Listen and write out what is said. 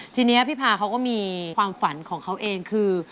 ทีนี้พี่พาเขาก็มีความฝันของเขาเองคือ